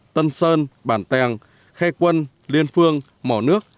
tân sơn bản tèng khai quân liên phương mỏ nước